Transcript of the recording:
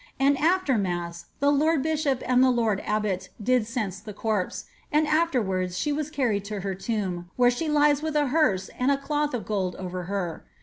And after mass, the lord bishop and the lord abbot did cense the corpse, and afterwards she was carried to her tomb, where she lies with t herse and cloth of gold over her.